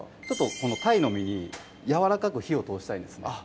このたいの身にやわらかく火を通したいんですね